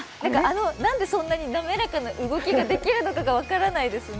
なんでそんなに滑らかな動きができるのかが分からないですね。